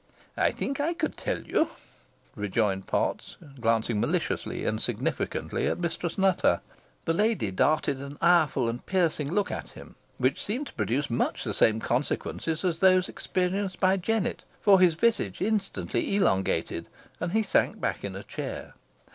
"I think I could tell you," rejoined Potts, glancing maliciously and significantly at Mistress Nutter. The lady darted an ireful and piercing look at him, which seemed to produce much the same consequences as those experienced by Jennet, for his visage instantly elongated, and he sank back in a chair.